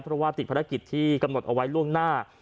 เพราะว่าติดภารกิจที่กำหนดเอาไว้ล่วงหน้า